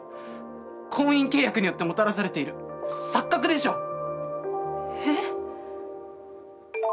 婚姻契約によってもたらされている錯覚でしょう？え？